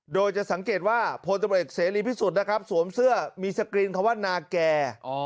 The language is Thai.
โดยจะสังเกตว่าโพรตับลักษณ์เศรษฐ์ลีพิสุทธิ์นะครับสวมเสื้อมีสกรีนคำว่านาแก่อ๋อ